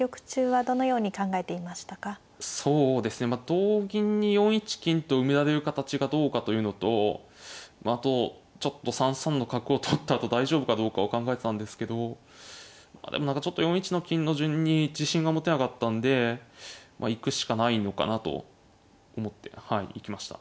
同銀に４一金と埋められる形がどうかというのとあとちょっと３三の角を取ったあと大丈夫かどうかを考えてたんですけどちょっと４一の金の順に自信が持てなかったんで行くしかないのかなと思って行きました。